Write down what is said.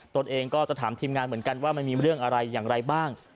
ตนเองก็จะถามทีมงานเหมือนกันว่ามันมีเรื่องอะไรอย่างไรบ้าง